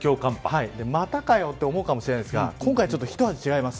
またかよと思うかもしれませんが今回はひと味違います。